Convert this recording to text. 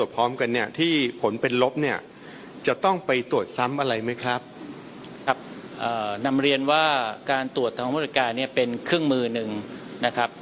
พร้อมกันเนี่ยที่ผลเป็นลบเนี่ยจะต้องไปตรวจซ้ำอะไรไหมครับครับนำเรียนว่าการตรวจทางบริการเนี่ยเป็นเครื่องมือหนึ่งนะครับ